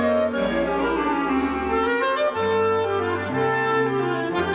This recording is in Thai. สวัสดีครับสวัสดีครับ